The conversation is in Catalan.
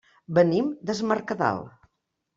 Venim des Mercadal.